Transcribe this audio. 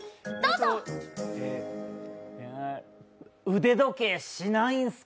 腕時計、しないんすか？